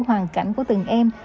hoàn cảnh của từng em